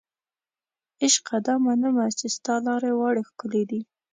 عشقه دا منمه چې ستا لارې واړې ښکلې دي